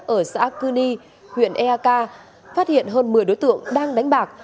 ở xã cư ni huyện eak phát hiện hơn một mươi đối tượng đang đánh bạc